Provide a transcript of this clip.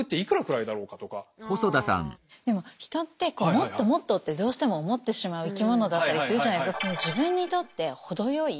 でも人ってこうもっともっとってどうしても思ってしまう生き物だったりするじゃないですか。